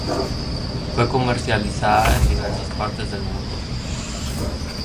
Fue comercializada en diversas partes del mundo.